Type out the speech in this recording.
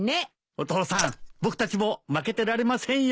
お父さん僕たちも負けてられませんよ！